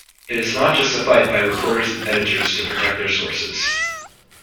It is not just a fight by reporters and editors to protect their sources.